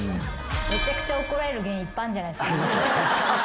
めちゃくちゃ怒られる原因いっぱいあるじゃないですか。